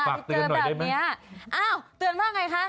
ปากเตือนหน่อยได้ไหมะอ้าวเตือนมานะคะ